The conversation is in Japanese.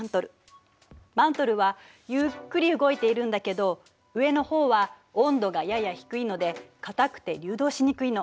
マントルはゆっくり動いているんだけど上のほうは温度がやや低いので固くて流動しにくいの。